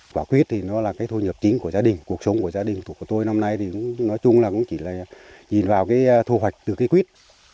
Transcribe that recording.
quả quyết thì nó là cái thu nhập chính của gia đình cuộc sống của gia đình thuộc của tôi năm nay thì nói chung là cũng chỉ là nhìn vào cái thu hoạch từ cây quýt